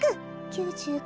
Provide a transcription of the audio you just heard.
９５。